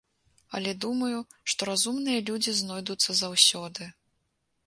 Але думаю, што разумныя людзі знойдуцца заўсёды.